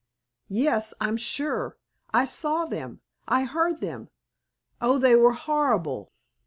"Yes, I'm sure. I saw them. I heard them. Oh, they were horrible!